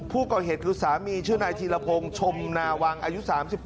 ผู้เกาะเหตุคือสามีชื่อในธีระโพงชมนาวังอายุ๓๘